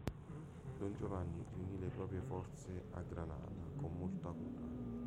Don Giovanni riunì le proprie forze a Granada con molta cura.